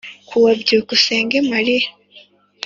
Ku wa byukusenge marie